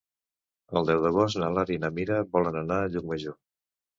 El deu d'agost na Laura i na Mira volen anar a Llucmajor.